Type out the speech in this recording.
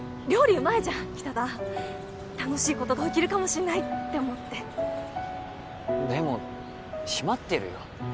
うまいじゃん北田楽しいことが起きるかもしれないって思ってでも閉まってるよ